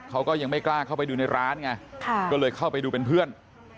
เขาก็ยังไม่กล้าเข้าไปดูในร้านไงก็เลยเข้าไปดูเป็นเพื่อน